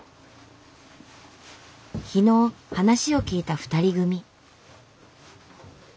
昨日話を聞いた２人組。